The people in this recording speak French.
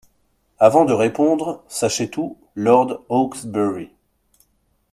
«Avant de répondre, sachez tout, lord Hawksbury.